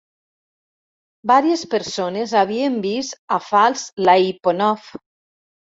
Varies persones havien vist a False-Laiponov.